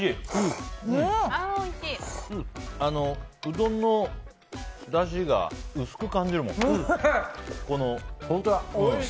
うどんのだしが薄く感じるもん。